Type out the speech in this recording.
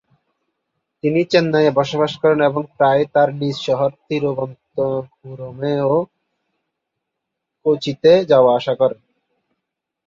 তিনি চেন্নাইয়ে বসবাস করেন, এবং প্রায়ই তার নিজ শহর তিরুবনন্তপুরম ও কোচিতে যাওয়া আসা করেন।